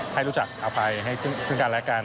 ให้รู้จักเอาไปให้ซึ่งกันและกัน